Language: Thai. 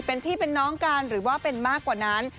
เป็นพี่เป็นน้องกันหรือว่าเป็นมากกว่านั้น